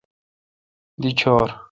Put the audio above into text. دی ڄور۔